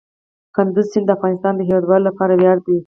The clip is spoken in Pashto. کندز سیند د افغانستان د هیوادوالو لپاره ویاړ دی.